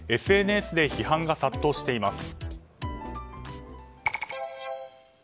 ＳＮＳで批判が殺到しています。